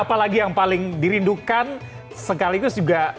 apalagi yang paling dirindukan sekaligus juga